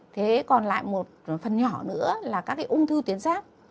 thế còn lại một phần nhỏ nữa là các cái ung thư tuyến ráp